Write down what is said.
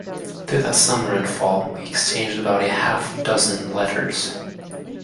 Through that summer and fall, we exchanged about a half dozen letters.